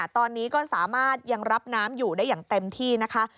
ตอนนี้ก็สามารถยังรับน้ำอยู่ได้อย่างเต็มที่นะคะ